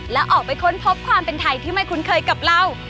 และออกไปค้นพบความเป็นไทยที่ไม่คุ้นเคยกับเรา